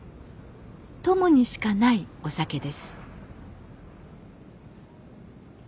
鞆にしかないお酒です。